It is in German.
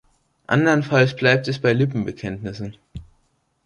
Andernfalls bleibt es bei Lippenbekenntnissen.